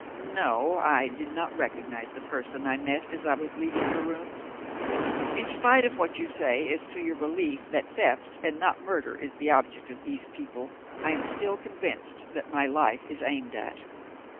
No, I did not recognize the person I met as I was leaving your rooms. In spite of what you say as to your belief that theft and not murder is the object of these people, I am still convinced that my life is aimed at.